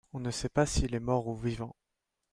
on ne sait pas s'il est mort ou vivant.